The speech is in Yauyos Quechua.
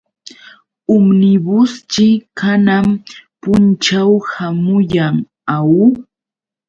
Umnibusćhi kanan punćhaw hamuyan, ¿aw?